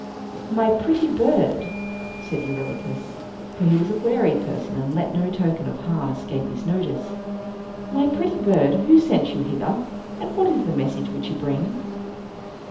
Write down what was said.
"My pretty bird," said Eurylochus for he was a wary person, and let no token of harm escape his notice "my pretty bird, who sent you hither? And what is the message which you bring?"